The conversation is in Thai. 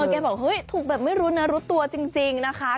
แกบอกเฮ้ยถูกแบบไม่รู้เนื้อรู้ตัวจริงนะคะ